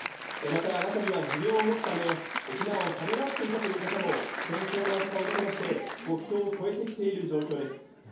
また、中には持病を持つため、避難をためらっていたという方も戦況の悪化を受けまして、国境を越えてきている状況です。